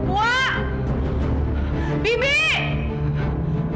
aku akan menangkanmu